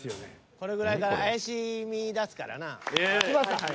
これぐらいから怪しみだすからな。よしっ。